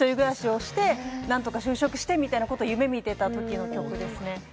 一人暮らしして、何とか就職してっていうことを夢見ていた時なので。